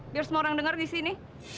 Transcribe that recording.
biar semua orang denger disini